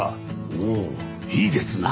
おおいいですな！